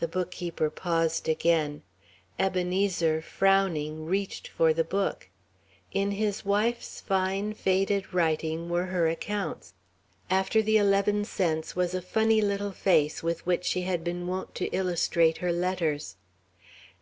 The bookkeeper paused again. Ebenezer, frowning, reached for the book. In his wife's fine faded writing were her accounts after the eleven cents was a funny little face with which she had been wont to illustrate her letters.